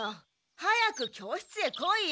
早く教室へ来いよ。